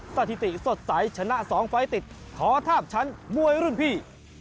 สถิติสดใสชนะ๒ไฟล์ติดขอทาบชั้นมวยรุ่นพี่